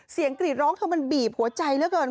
เสียงกรีดร้องเธอมันบีบหัวใจแล้วกัน